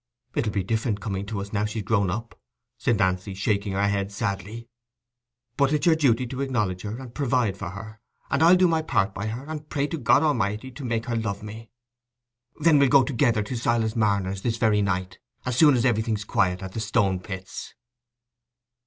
"It'll be different coming to us, now she's grown up," said Nancy, shaking her head sadly. "But it's your duty to acknowledge her and provide for her; and I'll do my part by her, and pray to God Almighty to make her love me." "Then we'll go together to Silas Marner's this very night, as soon as everything's quiet at the Stone pits."